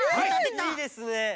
いいですね！